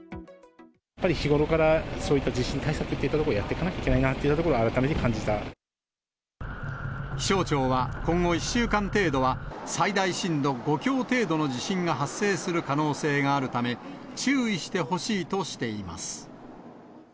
やっぱり日頃からそういった地震対策といったところをやっていかなきゃいけないなというよう気象庁は今後１週間程度は、最大震度５強程度の地震が発生する可能性があるため、注意してほ